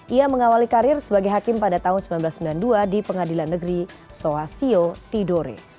ia mengawali karir sebagai hakim pada tahun seribu sembilan ratus sembilan puluh dua di pengadilan negeri soasio tidore